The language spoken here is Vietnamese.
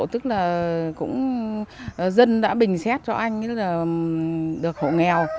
tức là dân đã bình xét cho anh được hộ nghèo